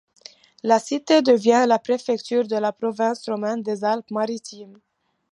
La cité devient la préfecture de la province romaine des Alpes-Maritimes.